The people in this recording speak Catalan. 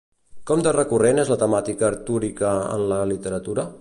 Com de recurrent és la temàtica artúrica en la literatura?